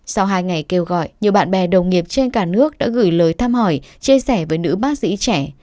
sau hai ngày kêu gọi nhiều bạn bè đồng nghiệp trên cả nước đã gửi lời thăm hỏi chia sẻ với nữ bác sĩ trẻ